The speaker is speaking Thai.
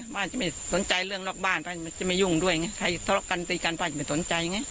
ป้าจะไม่สนใจเรื่องนอกบ้านป้ามันจะไม่ยุ่งด้วยไงใครทะเลาะกันตีกันป้าจะไม่สนใจไง